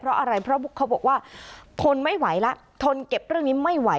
เพราะอะไรเพราะเขาบอกว่าทนไม่ไหวแล้วทนเก็บเรื่องนี้ไม่ไหว